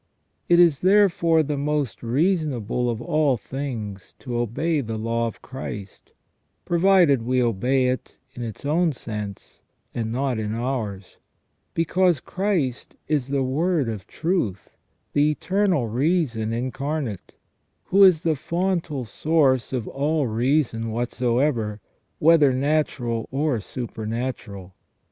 It is therefore the most reasonable of all things to obey the law of Christ; provided we obey it in its own sense and not in ours ; because Christ is the Word of truth, the Eternal Reason Incarnate, who is the fontal source of all reason whatsoever, whether natural or supernatural.